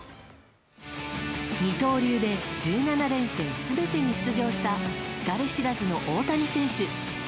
二刀流で１７連戦全てに出場した疲れ知らずの大谷選手。